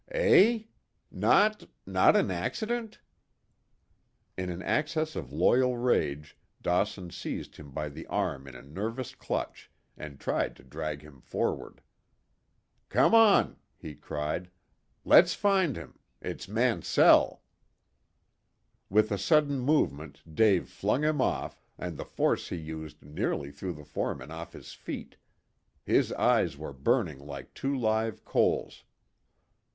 "Eh? Not not an accident?" In an access of loyal rage Dawson seized him by the arm in a nervous clutch, and tried to drag him forward. "Come on," he cried. "Let's find him. It's Mansell!" With a sudden movement Dave flung him off, and the force he used nearly threw the foreman off his feet. His eyes were burning like two live coals.